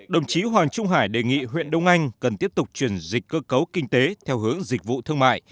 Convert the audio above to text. đồng chí hoàng trung hải đề nghị huyện đông anh cần tiếp tục chuyển dịch cơ cấu kinh tế theo hướng dịch vụ thương mại